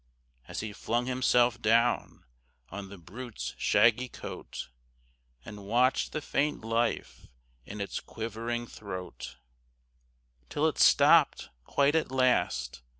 As he flung himself down on the brute's shaggy coat, And watched the faint life in its quivering throat Till it stopped quite at last.